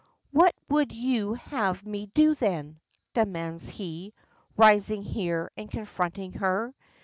"What would you have me do then?" demands he, rising here and confronting her.